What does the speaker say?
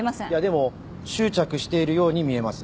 でも執着しているように見えます。